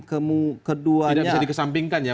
tidak bisa dikesampingkan ya